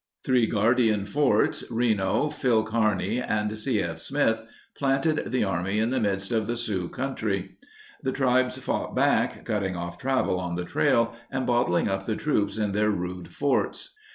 Three guardian forts, Reno, Phil Kearny, and C.F. Smith, planted the Army in the midst of Sioux country. The tribes fought back, cutting off travel on the trail and bottling up the troops in their rude forts.